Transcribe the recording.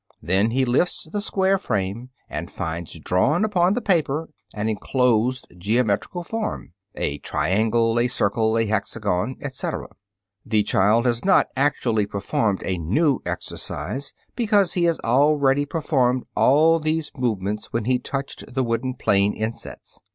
Then he lifts the square frame, and finds drawn upon the paper an enclosed geometrical form, a triangle, a circle, a hexagon, etc. The child has not actually performed a new exercise, because he had already performed all these movements when he touched the wooden plane insets.